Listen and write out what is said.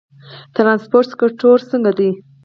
د ترانسپورت سکتور څنګه دی؟